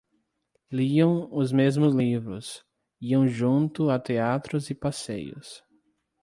Liam os mesmos livros, iam juntos a teatros e passeios.